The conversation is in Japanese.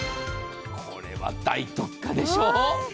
これは大特価でしょう。